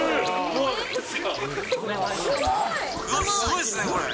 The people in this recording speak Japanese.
すごいですね、これ。